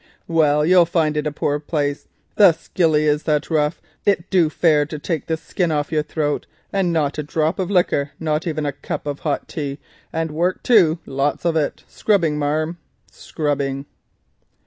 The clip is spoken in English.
Well, you'll find it a poor place; the skilly is that rough it do fare to take the skin off your throat, and not a drop of liquor, not even of a cup of hot tea, and work too, lots of it —scrubbing, marm, scrubbing!"